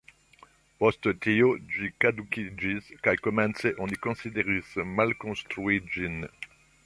Post tio ĝi kadukiĝis, kaj komence oni konsideris malkonstrui ĝin.